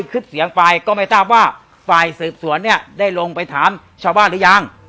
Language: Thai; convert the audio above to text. คลิปเสียงไปก็ไม่ทราบว่าฝ่ายสืบสวนเนี่ยได้ลงไปถามชาวบ้านหรือยัง